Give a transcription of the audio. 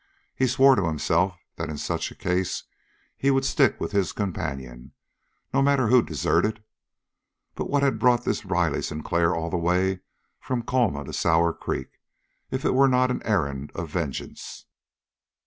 He swore to himself that in such a case he would stick with his companion, no matter who deserted. But what had brought this Riley Sinclair all the way from Colma to Sour Creek, if it were not an errand of vengeance?